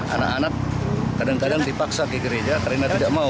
anak anak kadang kadang dipaksa ke gereja karena tidak mau